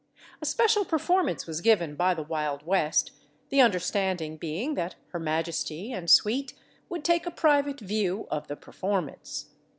A special performance was given by the Wild West, the understanding being that her majesty and suite would take a private view of the performance.